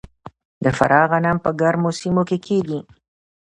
د فراه غنم په ګرمو سیمو کې کیږي.